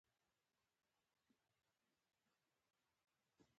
متل دی: څه ژرنده پڅه وه او څه دانې لندې وې.